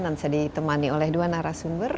dan saya ditemani oleh dua narasumber